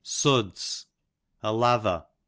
Suds, a lather.